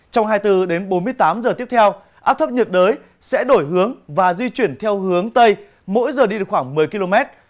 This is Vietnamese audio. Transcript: trong hai mươi bốn đến bốn mươi tám giờ tiếp theo áp thấp nhiệt đới sẽ đổi hướng và di chuyển theo hướng tây mỗi giờ đi được khoảng một mươi km